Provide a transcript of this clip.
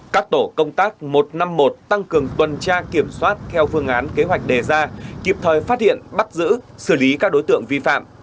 các tổ công tác một trăm năm mươi một tăng cường tuần tra kiểm soát theo phương án kế hoạch đề ra kịp thời phát hiện bắt giữ xử lý các đối tượng vi phạm